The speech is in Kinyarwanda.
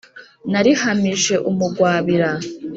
narihamije umugwabira